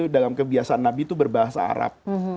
dalam kebiasaan nabi itu berbahasa arab